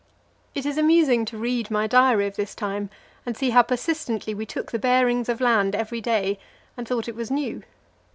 It is amusing to read my diary of this time and see how persistently we took the bearings of land every day, and thought it was new.